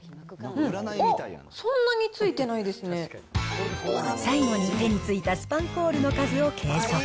うん、おっ、最後に手についたスパンコールの数を計測。